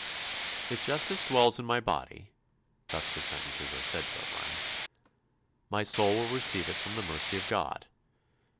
"If justice dwells in my body" thus the sentences are said to have run "my soul will receive it from the mercy of God.